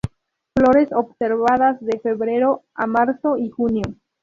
Flores observadas de febrero a marzo y junio.